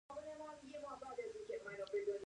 د وچکالۍ په کال کې څه وکړم؟